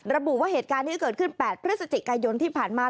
ระบุว่าเหตุการณ์นี้เกิดขึ้น๘พฤศจิกายนที่ผ่านมา